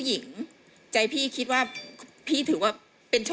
อยากยุ่งเมือง